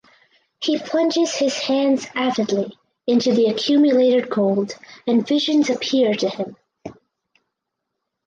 He plunges his hands avidly into the accumulated gold and visions appear to him.